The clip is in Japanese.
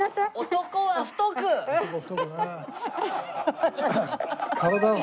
男は太くね。